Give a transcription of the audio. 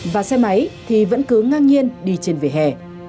và xe máy thì vẫn cứ ngang nhiên đi trên vỉa hè